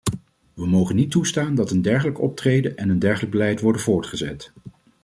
We mogen niet toestaan dat een dergelijk optreden en een dergelijk beleid worden voortgezet.